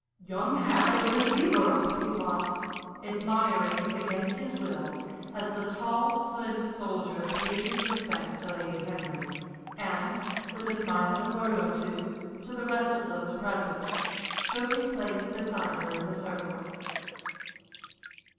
"'Young Harry with his beaver up!'" he thought, admiring against his will, as the tall, slim soldier paid his respects to Lady Henry, and, with a smiling word or two to the rest of those present, took his place beside her in the circle.